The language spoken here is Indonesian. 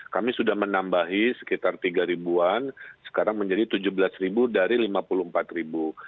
kami sudah menambahi sekitar tiga ribuan sekarang menjadi tujuh belas ribu dari lima puluh empat ribu